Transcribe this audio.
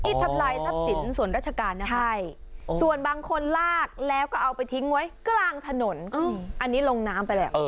อ๋ออิทธลายทัพสินส่วนรัชกาลกับเศรษฐบุรีนะค่ะ